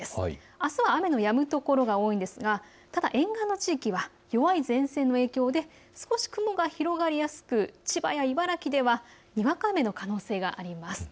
あすは雨のやむ所が多いんですが沿岸の地域は弱い前線の影響で少し雲が広がりやすく千葉や茨城ではにわか雨の可能性があります。